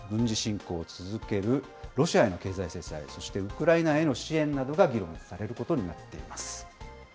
軍事侵攻を続けるロシアへの経済制裁、そしてウクライナへの支援などが議論されることになってい